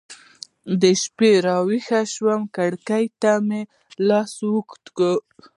شپه راویښه شوه کړکۍ ته يې لاس اوږد کړ